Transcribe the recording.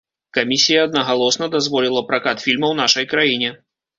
Камісія аднагалосна дазволіла пракат фільма ў нашай краіне.